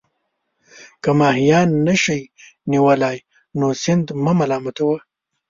که ماهیان نه شئ نیولای نو سیند مه ملامتوه.